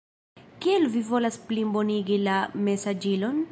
Kiel vi volas plibonigi la mesaĝilon?